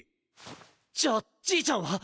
じゃあじいちゃんは？